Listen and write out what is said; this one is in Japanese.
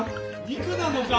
肉なのか？